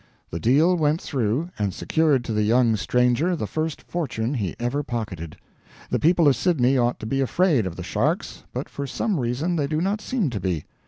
The deal went through, and secured to the young stranger the first fortune he ever pocketed. The people of Sydney ought to be afraid of the sharks, but for some reason they do not seem to be.